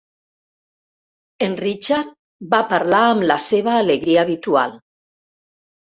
En Richard va parlar amb la seva alegria habitual.